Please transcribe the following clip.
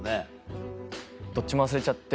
どっちも忘れちゃって。